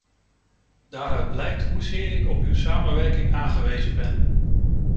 Daaruit blijkt hoezeer ik op uw samenwerking aangewezen ben.